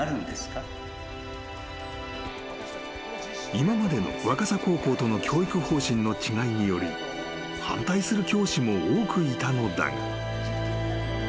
［今までの若狭高校との教育方針の違いにより反対する教師も多くいたのだが］